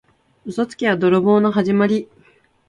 嘘つきは泥棒のはじまり。